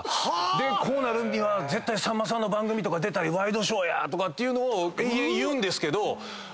でこうなるには絶対さんまさんの番組とか出たりワイドショーやとかいうのを延々言うんですけど分かんないんですよね。